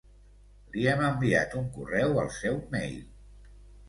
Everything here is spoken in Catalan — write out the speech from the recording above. Li hem enviat un correu al seu mail.